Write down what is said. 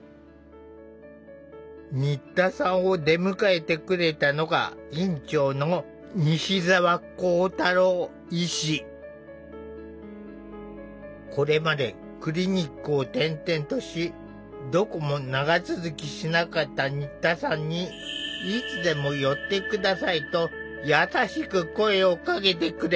新田さんを出迎えてくれたのが院長のこれまでクリニックを転々としどこも長続きしなかった新田さんにと優しく声をかけてくれた。